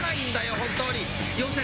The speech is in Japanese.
本当に！